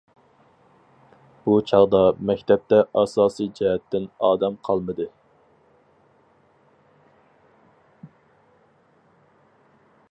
بۇ چاغدا مەكتەپتە ئاساسىي جەھەتتىن ئادەم قالمىدى.